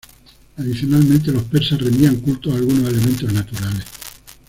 Adicionalmente, los persas rendían culto a algunos elementos naturales.